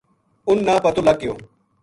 اُنھ نا پتو لگو